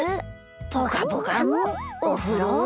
ポカポカのおふろ。